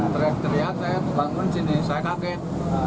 teriak teriak saya bangun sini saya kaget